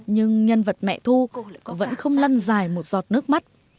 nhưng nhân vật mẹ thu vẫn không lăn dài một giọt nước mắt